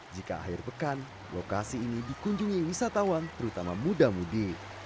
jika akhir pekan lokasi ini dikunjungi wisatawan terutama muda mudi